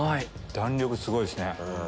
弾力すごいですね。